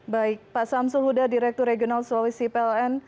baik pak samsul huda direktur regional sulawesi pln